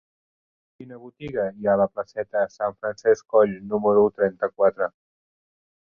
Quina botiga hi ha a la placeta de Sant Francesc Coll número trenta-quatre?